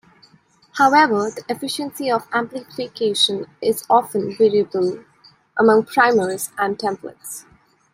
However, the efficiency of amplification is often variable among primers and templates.